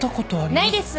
ないです。